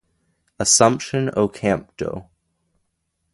Assumption Ocampo.